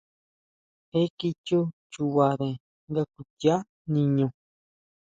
Je kichú chubare nga kuichia niño.